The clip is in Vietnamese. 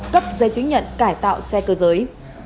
cấp dây chứng nhận cải tạo xe cơ giới